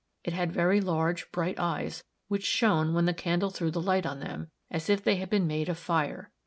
It had very large, bright eyes, which shone when the candle threw the light on them, as if they had been made of fire.